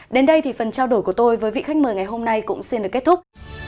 đến đây thì phần trao đổi của tôi với vị khách mời ngày hôm nay cũng xin được kết thúc